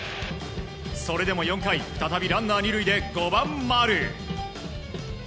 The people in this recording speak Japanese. それでも４回再びランナー２塁で５番、丸。